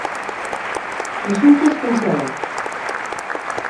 L'assumpte es cancel.la.